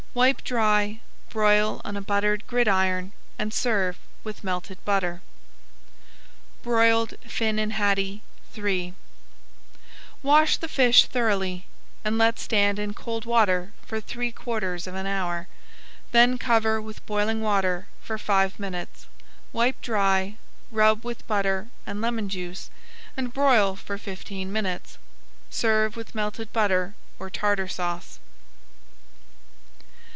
Wipe dry, broil on a buttered gridiron and serve with melted butter. [Page 132] BROILED FINNAN HADDIE III Wash the fish thoroughly, and let stand in cold water for three quarters of an hour, then cover with boiling water for five minutes, wipe dry, rub with butter and lemon juice, and broil for fifteen minutes. Serve with melted butter or Tartar Sauce.